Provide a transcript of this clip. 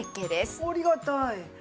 ありがたい。